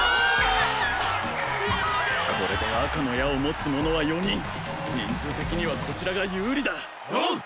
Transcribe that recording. これで赤の矢を持つ者は４人人数的にはこちらが有利だおう！